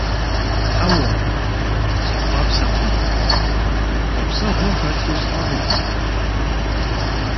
Хьэуэ, сехъуапсэркъым, хъуэпсэгъуэ хэлъу слъагъуркъым.